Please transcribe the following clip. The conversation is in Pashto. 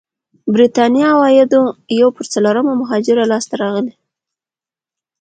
برېتانيا عوايدو یو پر څلورمه مهاجرو لاسته راغلي.